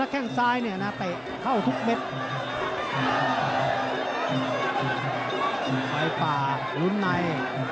แก้ตี